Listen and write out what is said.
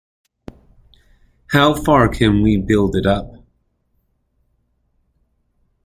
How far can we build it up?